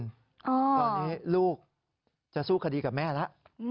ตอนนี้ลูกจะสู้คดีกับแม่แล้ว